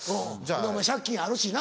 お前借金あるしな